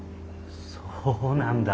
そうなんだ。